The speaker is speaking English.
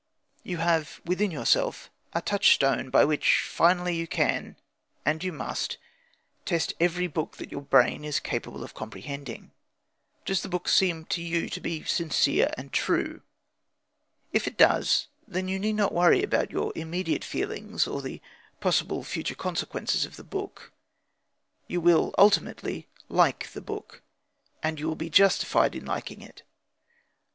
You have within yourself a touchstone by which finally you can, and you must, test every book that your brain is capable of comprehending. Does the book seem to you to be sincere and true? If it does, then you need not worry about your immediate feelings, or the possible future consequences of the book. You will ultimately like the book, and you will be justified in liking it.